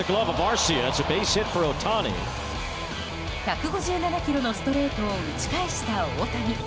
１５７キロのストレートを打ち返した大谷。